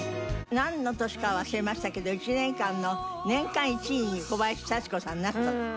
なんの年かは忘れましたけど１年間の年間１位に小林幸子さんなったの。